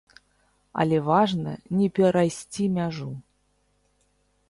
Але важна не перайсці мяжу.